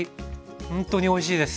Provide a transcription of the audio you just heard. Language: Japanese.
ほんとにおいしいです。